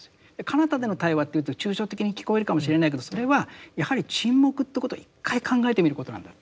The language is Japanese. かなたでの対話というと抽象的に聞こえるかもしれないけどそれはやはり沈黙ということを一回考えてみることなんだ。